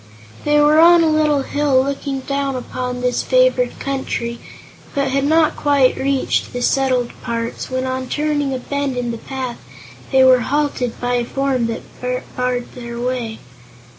They were on a little hill looking down upon this favored country, but had not quite reached the settled parts, when on turning a bend in the path they were halted by a form that barred their way.